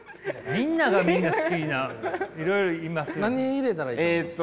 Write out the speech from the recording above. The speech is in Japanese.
みんながみんな好きないろいろいますよ。